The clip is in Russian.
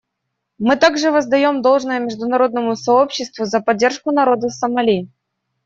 Мы также воздаем должное международному сообществу за поддержку народа Сомали.